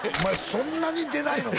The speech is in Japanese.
そんなに出ないのか！」